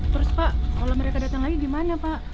terus pak kalau mereka datang lagi gimana pak